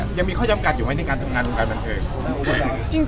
ยังมีข้อจำกัดอยู่ไหมในการทำงานวงการบันเทิง